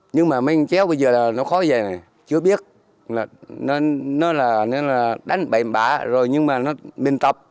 nhưng mà mình chéo bây giờ là nó khó vậy này chưa biết nó là đánh bệnh bả rồi nhưng mà mình tập